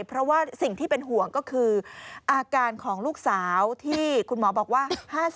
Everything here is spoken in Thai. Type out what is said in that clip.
เพราะว่าสิ่งที่เป็นห่วงก็คืออาการของลูกสาวที่คุณหมอบอกว่า